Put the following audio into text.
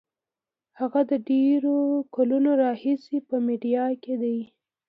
هغه د ډېرو کلونو راهیسې په میډیا کې دی.